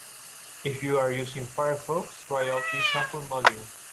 If you are using Firefox, try out this sample module.